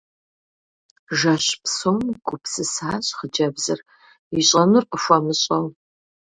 Жэщ псом гупсысащ хъыджэбзыр, ищӀэнур къыхуэмыщӀэу.